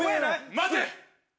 待て。